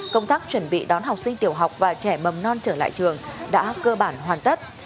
công tác chuẩn bị đón học sinh tiểu học và trẻ mầm non trở lại trường đã cơ bản hoàn tất